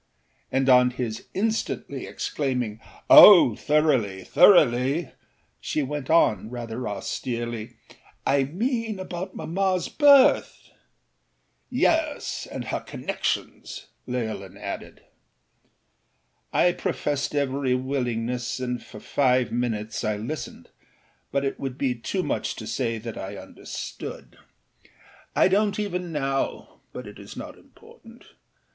â and on his instantly exclaiming âOh, thoroughlyâthoroughly!â she went on, rather austerely: âI mean about mammaâs birth.â âYes, and her connections,â Leolin added. I professed every willingness, and for five minutes I listened, but it would be too much to say that I understood. I donât even now, but it is not important.